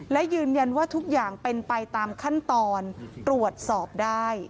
และยืนยันว่าทุกอย่างเป็นไปตามขั้นตอนตรวจสอบได้